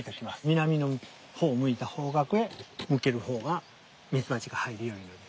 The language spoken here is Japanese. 南の方を向いた方角へ向ける方がミツバチが入るようになる。